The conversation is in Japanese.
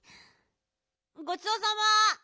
ごちそうさま。